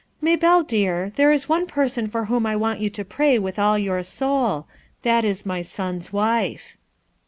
"Maybelle, dear, there is one person for whom I want you to pray with all your soul ; that is my son's wife."